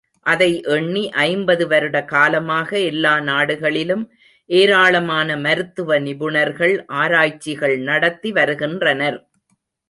அதை எண்ணி ஐம்பது வருட காலமாக எல்லா நாடுகளிலும் ஏராளமான மருத்துவ நிபுணர்கள் ஆராய்ச்சிகள் நடத்தி வருகின்றனர்.